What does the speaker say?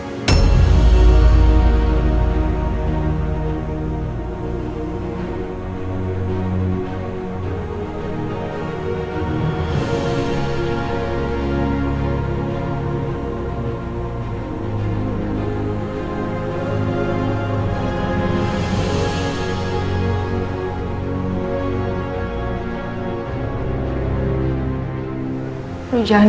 p malaikannya sudah jadi